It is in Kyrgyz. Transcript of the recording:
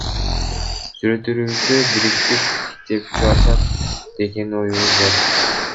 Сүрөттөрүбүздү бириктирип, китеп чыгарсак деген оюбуз бар.